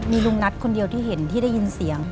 มีลุงนัทคนเดียวที่เห็นที่ได้ยินเสียง